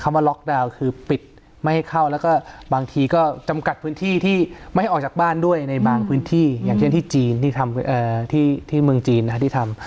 มาล็อกดาวน์คือปิดไม่ให้เข้าแล้วก็บางทีก็จำกัดพื้นที่ที่ไม่ให้ออกจากบ้านด้วยในบางพื้นที่อย่างเช่นที่จีนที่ทำที่เมืองจีนที่ทำ